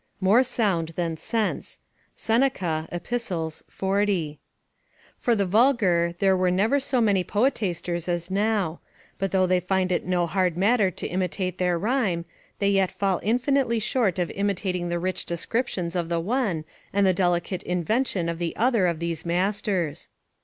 ["More sound than sense" Seneca, Ep., 40.] For the vulgar, there were never so many poetasters as now; but though they find it no hard matter to imitate their rhyme, they yet fall infinitely short of imitating the rich descriptions of the one, and the delicate invention of the other of these masters.